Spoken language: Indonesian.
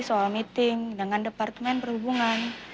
soal meeting dengan departemen perhubungan